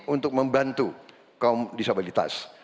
untuk membantu kaum disabilitas